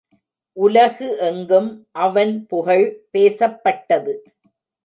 உலகு எங்கும் அவன் புகழ் பேசப்பட்டது.